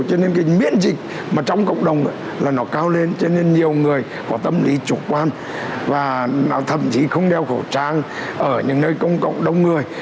cho nên miễn dịch trong cộng đồng nó cao lên cho nên nhiều người có tâm lý chủ quan và thậm chí không đeo khẩu trang ở những nơi công cộng đông người